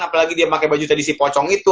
apalagi dia pakai baju tradisi pocong itu